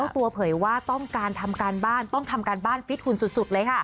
ตัวเผยว่าต้องการทำการบ้านต้องทำการบ้านฟิตหุ่นสุดเลยค่ะ